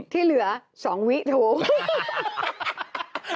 ที่เหลือ๒วิโถ